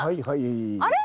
あれ？